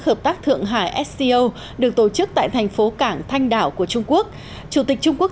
hợp tác thượng hải sco được tổ chức tại thành phố cảng thanh đảo của trung quốc chủ tịch trung quốc